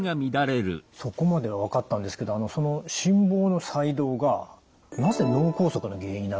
そこまでは分かったんですけど心房の細動がなぜ脳梗塞の原因になるんですか？